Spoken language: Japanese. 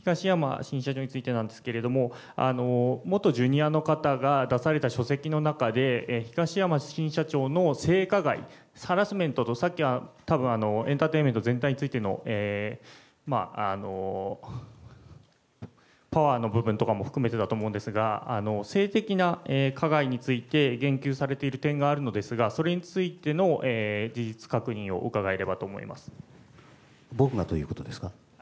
東山新社長についてなんですけれども、元ジュニアの方が出された書籍の中で、東山新社長の性加害、ハラスメントとさっきたぶんエンターテインメント全体についてのパワーの部分とかも含めてだと思うんですが、性的な加害について言及されている点があるのですが、それについての事実確認を伺えれ僕がということですか。